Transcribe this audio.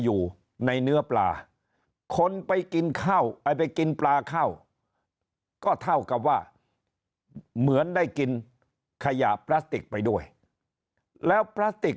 อยู่ในเนื้อปลาคนไปกินข้าวไอ้ไปกินปลาเข้าก็เท่ากับว่าเหมือนได้กินขยะพลาสติกไปด้วยแล้วพลาสติก